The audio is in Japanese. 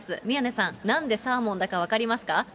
宮根さん、なんでサーモンだか分かりますか？